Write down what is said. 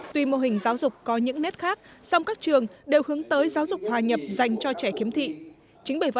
tuy mô hình giáo dục có những nét khác song các trường đều hướng tới giáo dục hòa nhập dành cho trẻ khiếm thị